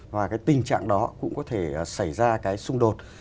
và cái tình trạng đó cũng có thể xảy ra cái xung đột